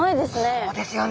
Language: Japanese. そうですよね。